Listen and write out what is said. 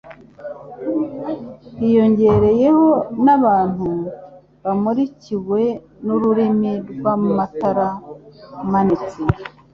hiyongereyeho n'abantu bamurikiwe n'urumuri rw'amatara amanitse,